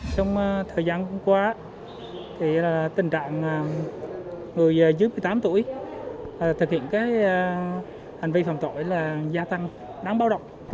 trong thời gian qua tình trạng người dưới một mươi tám tuổi thực hiện hành vi phạm tội là gia tăng đáng bao động